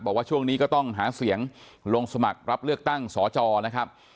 บอกว่าช่วงนี้ก็ต้องหาเสียงลงสมัครรับเลือกตั้งสจนะครับ